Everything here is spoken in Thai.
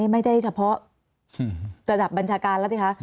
ไม่ได้เฉพาะระดับบัญชาการแล้วสิคะ